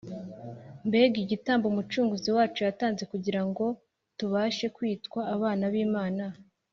mbega igitambo umucunguzi wacu yatanze kugira ngo tubashe kwitwa abana b’imana!